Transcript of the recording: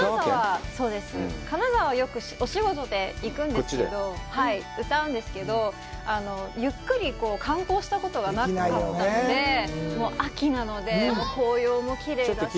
金沢、よくお仕事で行くんですけど、歌うんですけれども、ゆっくり観光したことがなかったので、秋なので、紅葉もきれいだし。